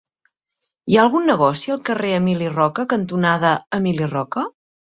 Hi ha algun negoci al carrer Emili Roca cantonada Emili Roca?